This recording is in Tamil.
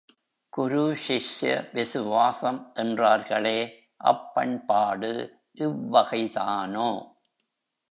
குருசிஷ்ய விசுவாசம் என்றார்களே, அப்பண்பாடு, இவ்வகைதானோ?...